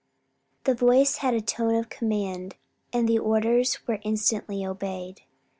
The voice had a tone of command and the orders were instantly obeyed.